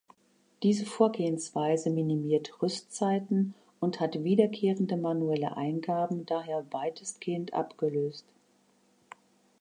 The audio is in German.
Diese Vorgehensweise minimiert Rüstzeiten und hat wiederkehrende manuelle Eingaben daher weitestgehend abgelöst.